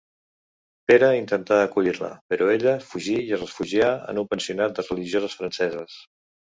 Pere intentà acollir-la, però ella fugí i es refugià en un pensionat de religioses franceses.